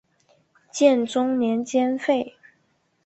建中年间废。